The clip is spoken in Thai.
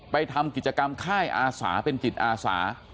ทำกิจกรรมค่ายอาสาเป็นจิตอาสา